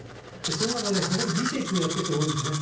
その中で、そこでビジネスをやっている人が多いんですね。